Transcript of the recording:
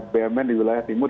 bumn di wilayah timur